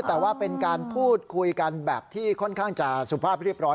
แต่ว่าเป็นการพูดคุยกันแบบที่ค่อนข้างจะสุภาพเรียบร้อย